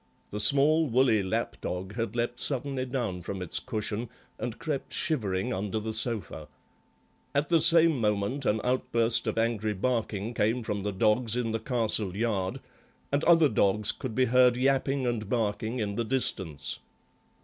The small, woolly lapdog had leapt suddenly down from its cushion and crept shivering under the sofa. At the same moment an outburst of angry barking came from the dogs in the castle yard, and other dogs could be heard yapping and barking in the distance.